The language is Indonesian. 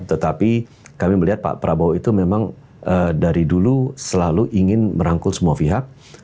tetapi kami melihat pak prabowo itu memang dari dulu selalu ingin merangkul semua pihak